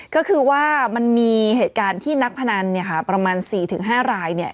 ก็คือว่ามันมีเหตุการณ์ที่นักพนันเนี่ยค่ะประมาณ๔๕รายเนี่ย